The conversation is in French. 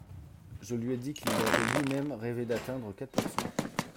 Je lui ai dit qu’il avait lui-même rêvé d’atteindre quatre pourcent.